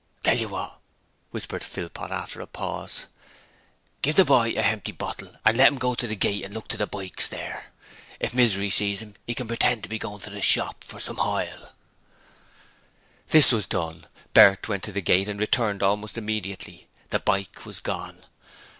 'Tell you what,' whispered Philpot, after a pause. 'Give the boy a hempty bottle and let 'im go to the gate and look to the bikes there. If Misery sees him 'e can pretend to be goin' to the shop for some hoil.' This was done. Bert went to the gate and returned almost immediately: the bike was gone.